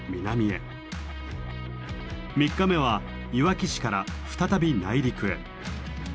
３日目はいわき市から再び内陸へ。